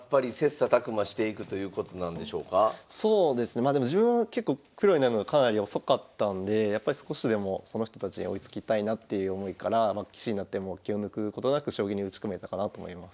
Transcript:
まあでも自分は結構プロになるのがかなり遅かったんで少しでもその人たちに追いつきたいなっていう思いから棋士になっても気を抜くことなく将棋に打ち込めたかなと思います。